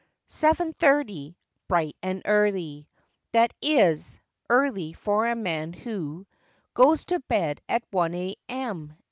Seven thirty—"bright and early "— That is, early for a man who Goes to bed at one a. m.